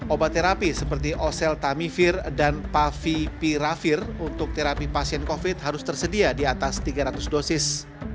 obat terapi seperti oseltamivir dan pavipiravir untuk terapi pasien covid harus tersedia di atas tiga ratus dosis